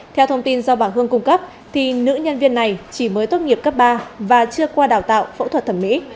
theo thông tin do bảng hương cung cấp thì nữ nhân viên này chỉ mới tốt nghiệp cấp ba và chưa qua đào tạo phẫu thuật thẩm mỹ